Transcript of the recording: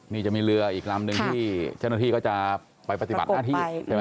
นี่จะมีเรืออีกลำหนึ่งที่เจ้าหน้าที่ก็จะไปปฏิบัติหน้าที่ใช่ไหม